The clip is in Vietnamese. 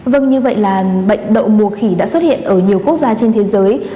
vâng như vậy là bệnh đậu mùa khỉ đã xuất hiện ở nhiều quốc gia trên thế giới